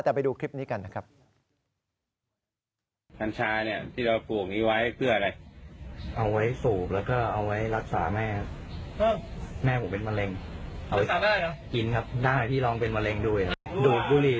แต่ไปดูคลิปนี้กันนะครับ